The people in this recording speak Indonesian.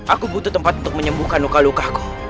aku butuh tempat untuk menyembuhkan luka lukaku